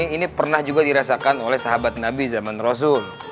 ini pernah juga dirasakan oleh sahabat nabi zaman rasul